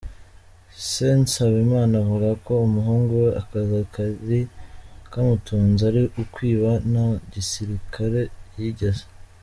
Se Nsabimana avuga ko umuhungu we akazi kari kamutunze ari ukwiba, nta gisirikare yigeze.